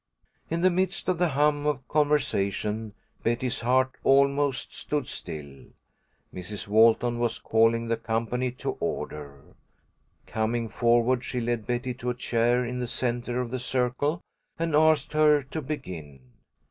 In the midst of the hum of conversation Betty's heart almost stood still. Mrs. Walton was calling the company to order. Coming forward, she led Betty to a chair in the centre of the circle, and asked her to begin.